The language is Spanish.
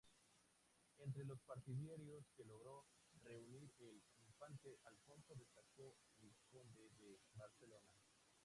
Entre los partidarios que logró reunir el infante Alfonso destacó el Conde de Barcelona.